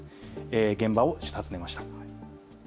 現場を訪ねました。